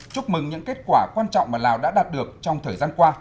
chúc mừng những kết quả quan trọng mà lào đã đạt được trong thời gian qua